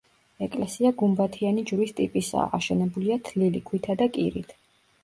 ეკლესია გუმბათიანი ჯვრის ტიპისაა, აშენებულია თლილი ქვითა და კირით.